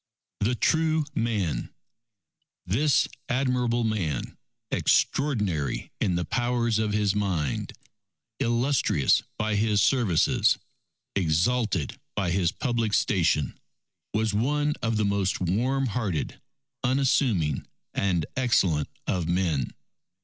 The True Man This admirable man, extraordinary in the powers of his mind, illustrious by his services, exalted by his public station, was one of the most warm hearted, unassuming, and excellent of men.